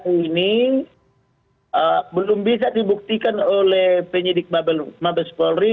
ini belum bisa dibuktikan oleh penyidik mabes polri